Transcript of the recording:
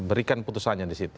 berikan putusannya di situ